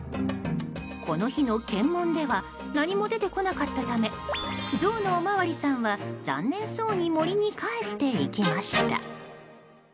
この日の検問では何も出てこなかったためゾウのおまわりさんは残念そうに森に帰っていきました。